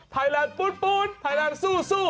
ไทยรัฐปู๊ดปู๊ดไทยรัฐสู้สู้